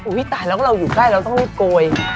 อุยด้ายเราอยู่ใกล้เราต้องพี่โกย